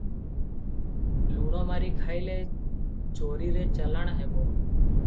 ଲୁଣ ମାରି ଖାଇଲେ ଚୋରୀରେ ଚଲାଣ ହେବ ।